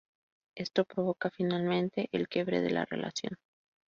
Esto provoca finalmente el quiebre de la relación.